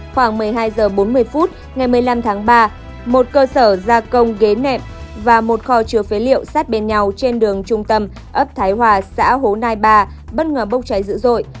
khoảng một mươi hai h bốn mươi phút ngày một mươi năm tháng ba một cơ sở gia công ghế nệm và một kho chứa phế liệu sát bên nhau trên đường trung tâm ấp thái hòa xã hồ nai ba bất ngờ bốc cháy dữ dội